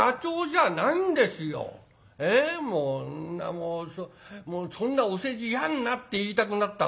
もう「そんなお世辞やんな」って言いたくなったぐらいですから。